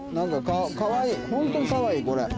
かわいいホントにかわいいこれ。